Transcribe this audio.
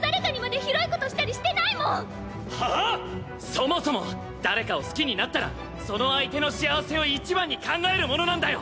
そもそも誰かを好きになったらその相手の幸せをいちばんに考えるものなんだよ！